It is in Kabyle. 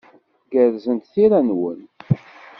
Gerrzent tira-nwen.